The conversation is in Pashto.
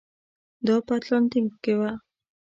دا په اتلانتیک کې و.